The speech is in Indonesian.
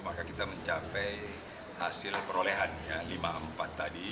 maka kita mencapai hasil perolehannya lima puluh empat tadi